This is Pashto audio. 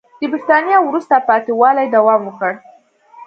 د برېټانیا وروسته پاتې والي دوام وکړ.